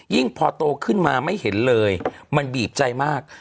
พอโตขึ้นมาไม่เห็นเลยมันบีบใจมาก